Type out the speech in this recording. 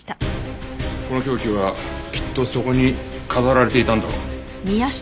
この凶器はきっとそこに飾られていたんだろう。